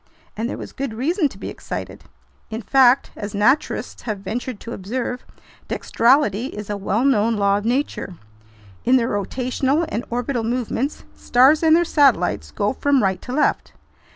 And there was good reason to be excited! In fact, as naturalists have ventured to observe, "dextrality" is a well known law of nature. In their rotational and orbital movements, stars and their satellites go from right to left.